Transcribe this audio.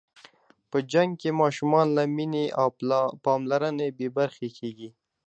په جنګ کې ماشومان له مینې او پاملرنې بې برخې کېږي.